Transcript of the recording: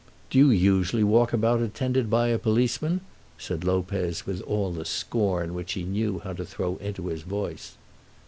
"Do you usually walk about attended by a policeman?" said Lopez, with all the scorn which he knew how to throw into his voice.